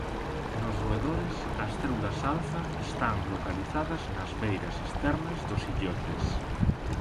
Nos roedores as células alfa están localizadas nas beiras externas dos illotes.